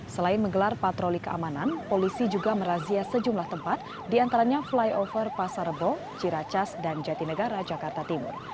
selain menggelar patroli keamanan polisi juga merazia sejumlah tempat diantaranya flyover pasar rebo ciracas dan jatinegara jakarta timur